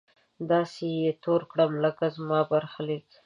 داسې به يې تور کړم لکه زما برخليک!